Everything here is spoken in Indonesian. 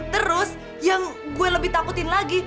terus yang gue lebih takutin lagi